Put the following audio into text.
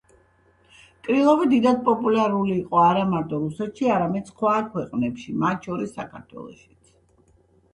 კრილოვი დიდად პოპულარული იყო არა მარტო რუსეთში, არამედ სხვა ქვეყნებში, მათ შორის საქართველოშიც.